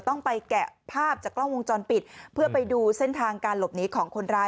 ต้องไปแกะภาพจากกล้องวงจรปิดเพื่อไปดูเส้นทางการหลบหนีของคนร้าย